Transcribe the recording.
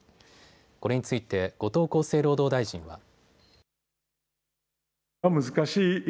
これについて後藤厚生労働大臣は。